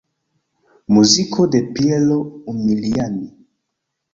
Muziko de Piero Umiliani.